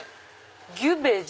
「ギュベジ」。